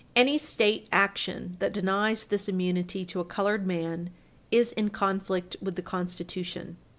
Any State action that denies this immunity to a colored man is in conflict with the Constitution.